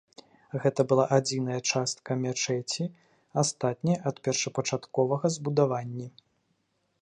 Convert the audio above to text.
Гэта была адзіная частка мячэці, астатняя ад першапачатковага збудаванні.